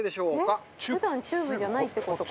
奈緒：普段チューブじゃないって事か。